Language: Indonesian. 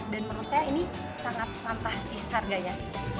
dan menurut saya ini sangat fantastis harganya